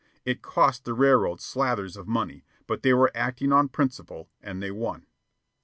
It cost the railroads slathers of money, but they were acting on principle, and they won.